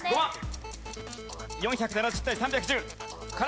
４７０対３１０。